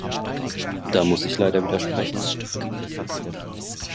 Da muss ich leider widersprechen.